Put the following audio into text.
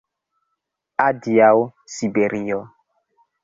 Adiaŭ, Siberio!”